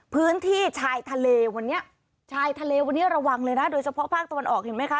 พื้นที่ชายทะเลวันนี้ชายทะเลวันนี้ระวังเลยนะโดยเฉพาะภาคตะวันออกเห็นไหมคะ